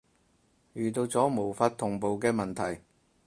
遇到咗無法同步嘅問題